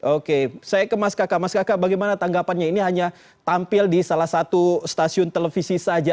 oke saya ke mas kakak mas kakak bagaimana tanggapannya ini hanya tampil di salah satu stasiun televisi saja